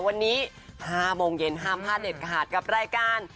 วันนี้๕โมงเย็นห้ามพลาดเด็ดขาดกับรายการ